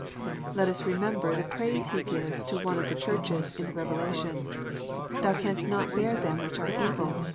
Let us remember the praise He gives to one of the Churches in the Revelation :" Thou canst not bear them which are evil.